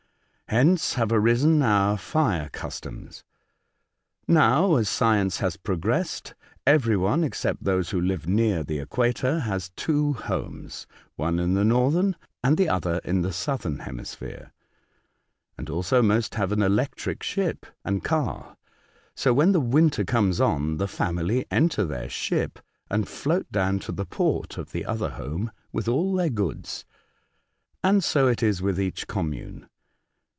Hence have arisen our fire customs. Now, as science has progressed, every one, except those who live near the equator, has two homes, one in the northern and the other in the southern hemisphere, and also most have an electric ship and car ; so, when the winter comes on, the family enter their ship, and float down ta the port of the other home with all their goods, and so it is with each commune.